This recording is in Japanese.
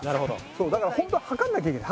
そうだからホントは量んなきゃいけない。